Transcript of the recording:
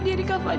diri kak fadil